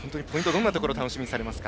どんなところを楽しみにされますか。